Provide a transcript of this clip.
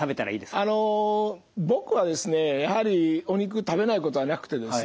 あの僕はですねやはりお肉食べないことはなくてですね